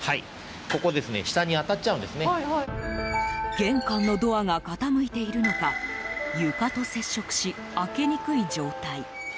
玄関のドアが傾いているのか床と接触し、開けにくい状態。